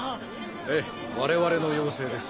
ええ我々の要請です。